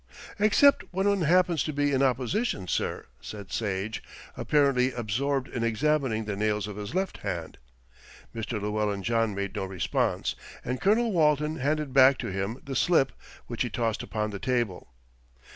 "Except when one happens to be in opposition, sir," said Sage, apparently absorbed in examining the nails of his left hand. Mr. Llewellyn John made no response, and Colonel Walton handed back to him the slip, which he tossed upon the table.